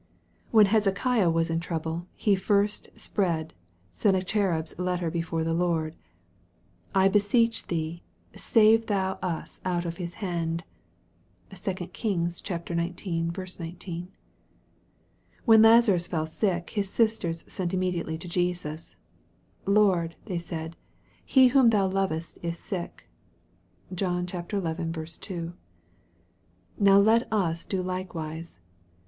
When Hezekiah was in trouble, he first spread Senna cherib's letter before the Lord :" I beseech thee, save thou us out of his hand." (2 Kings xix. 19.) When Lazarus fell sick, his sisters sent immediately to Jesus : "Lord," they said, "he whom thou lovest is sick." (John xi. 2.) Now let us do likewise.